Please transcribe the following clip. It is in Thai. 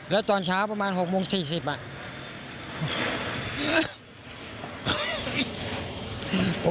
แล้วตอนเช้าประมาณ๖โมง๔๐อ่ะ